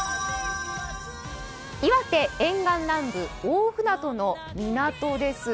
岩手沿岸南部、大船渡の港です。